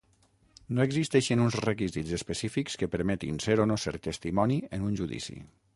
No existeixen uns requisits específics que permetin ser o no ser testimoni en un judici.